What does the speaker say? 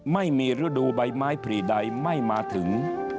ไม่มีฤดูใบไม้ผลีใดไม่มาถึง